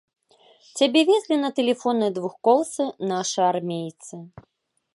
Цябе везлі на тэлефоннай двухколцы нашы армейцы.